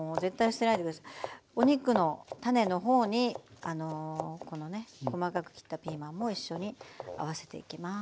お肉のタネのほうにあのこのね細かく切ったピーマンも一緒に合わせていきます。